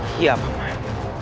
ya pak man